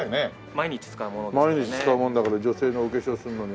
毎日使うもんだから女性のお化粧するのに。